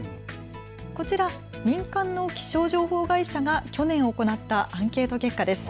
こちら、民間の気象情報会社が去年行ったアンケート結果です。